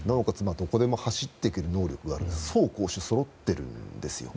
どこでも走っていける能力がある走攻守そろっているんです。